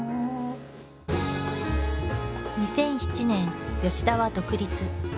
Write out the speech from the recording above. ２００７年田は独立。